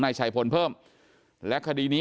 นายชัยพลเพิ่มและคดีนี้